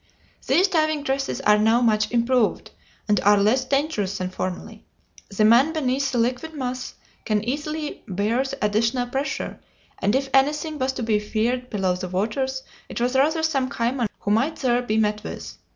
These diving dresses are now much improved, and are less dangerous than formerly. The man beneath the liquid mass can easily bear the additional pressure, and if anything was to be feared below the waters it was rather some cayman who might there be met with.